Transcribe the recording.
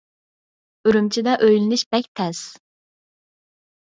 ئۈرۈمچىدە ئۆيلىنىش بەك تەس.